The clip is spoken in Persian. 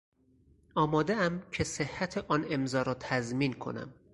آمادهام که صحت آن امضا را تضمین کنم